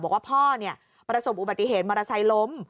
บอกว่าพ่อเนี่ยประสบอุบัติเหตุมรสัยล้ม